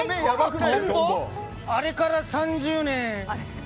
あれから３０年。